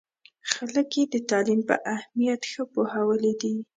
خلک یې د تعلیم په اهمیت ښه پوهولي دي.